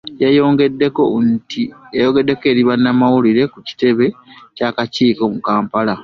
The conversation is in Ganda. Yayogeddeko eri bannamawulire ku kitebe ky'akakiiko mu Kampala